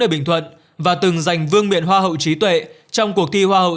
ở bình thuận và từng giành vương nguyện hoa hậu trí tuệ trong cuộc thi hoa hậu